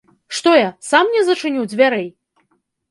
Што я, сам не зачыню дзвярэй?